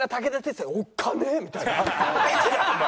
いやおっかねえ！みたいな。